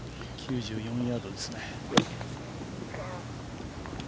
９４ヤードですね。